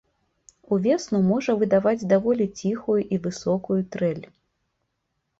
Увесну можа выдаваць даволі ціхую і высокую трэль.